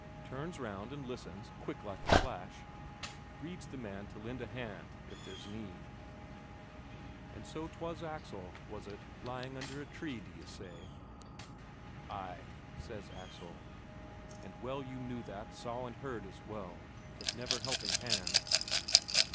Turns round and listens quick as a flash Brede's the man to lend a hand if there's need. And so 'twas Axel, was it, lying under a tree, d'you say?" "Ay," says Axel. "And well you knew that saw and heard as well. But never helping hand...."